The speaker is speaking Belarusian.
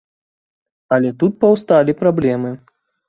Але тут паўсталі праблемы.